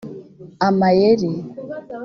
amayeri